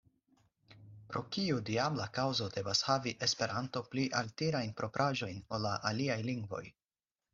Pro kiu diabla kaŭzo devas havi Esperanto pli altirajn propraĵojn ol la aliaj lingvoj?